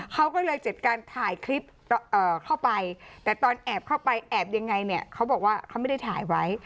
เขาก็เลยจัดการถ่ายคลิปเข้าไปแต่ตอนแอบเข้าไปแอบยังไงเนี่ยเขาบอกว่าเขาไม่ได้ถ่ายไว้